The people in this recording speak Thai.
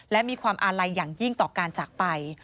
และมีความอาลัยอย่างยิ่งต่อการจากไป